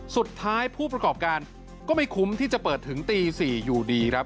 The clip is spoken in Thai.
ผู้ประกอบการก็ไม่คุ้มที่จะเปิดถึงตี๔อยู่ดีครับ